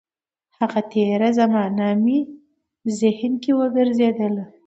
هغه تېره زمانه مې ذهن کې وګرځېدله.